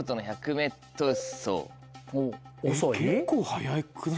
結構速くない？